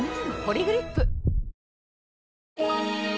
「ポリグリップ」